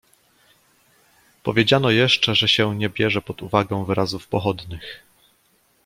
Powiedziano jeszcze, że się nie bierze pod uwagę wyrazów pochodnych.